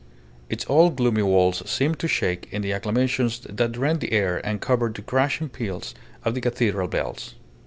Its old gloomy walls seemed to shake in the acclamations that rent the air and covered the crashing peals of the cathedral bells.